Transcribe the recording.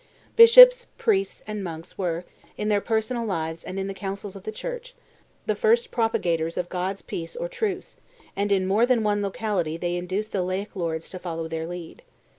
Bishops, priests, and monks were, in their personal lives and in the councils of the Church, the first propagators of God's peace or truce, and in more than one locality they induced the laic lords to follow their lead.